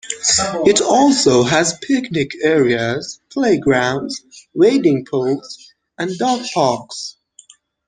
It also has picnic areas, playgrounds, wading pools, and dog parks.